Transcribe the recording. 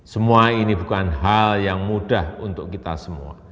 semua ini bukan hal yang mudah untuk kita semua